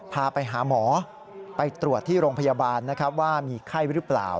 พาไปหาหมอไปตรวจที่โรงพยาบาลนะครับว่ามีไข้หรือเปล่า